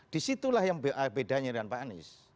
disitulah yang bedanya dengan pak anies